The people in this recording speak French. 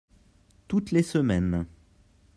Toutes les semaines.